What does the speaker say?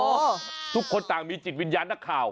ทุกคนต่างมีจิตวิญญาณนักข่าว